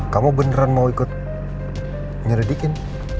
kamu beneran mau ikut nyeridikin